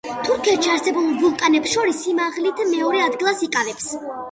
თურქეთში არსებულ ვულკანებს შორის სიმაღლით მეორე ადგილს იკავებს.